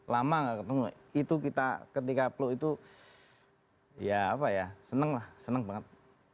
lama gak ketemu itu kita ketika peluk itu ya apa ya senenglah seneng banget